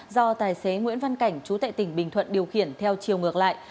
do tài xế nguyễn văn cảnh chú tệ tỉnh bình thuận điều khiển theo chiều ngược lại